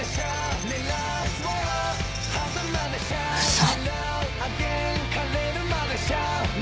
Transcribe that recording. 嘘。